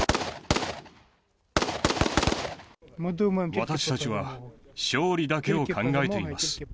私たちは勝利だけを考えています。